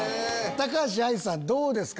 高橋愛さんどうですか？